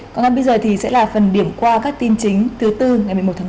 còn ngay bây giờ thì sẽ là phần điểm qua các tin chính thứ tư ngày một mươi một tháng bốn